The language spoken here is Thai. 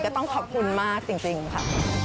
ต้องขอบคุณมากจริงค่ะ